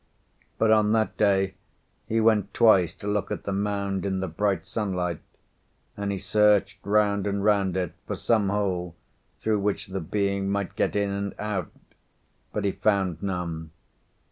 But on that day he went twice to look at the mound in the bright sunlight, and he searched round and round it for some hole through which the being might get in and out; but he found none.